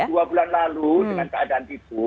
dua bulan lalu dengan keadaan itu